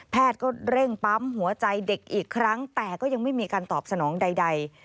ก็เร่งปั๊มหัวใจเด็กอีกครั้งแต่ก็ยังไม่มีการตอบสนองใด